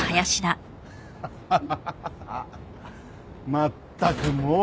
まったくもう。